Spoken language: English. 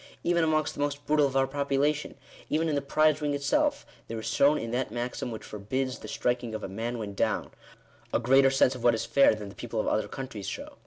Even amongst the most brutal of our population — even in the prize ring itself, there is shown in that maxim which forbids the striking of a man when down, a greater sense of what is fair than the people of other countries show.